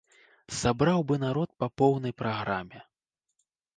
Сабраў бы народ па поўнай праграме.